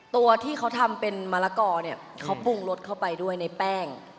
ตัวที่เขาทำเป็นมะละกอเนี่ยเขาปรุงรสเข้าไปด้วยในแป้ง